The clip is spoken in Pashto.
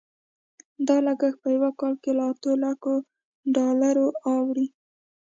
دا لګښت په کال کې له اتو لکو ډالرو اوړي.